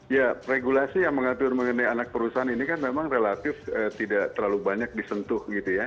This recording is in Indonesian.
ya regulasi yang mengatur mengenai anak perusahaan ini kan memang relatif tidak terlalu banyak disentuh gitu ya